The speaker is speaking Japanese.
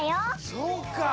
そうか！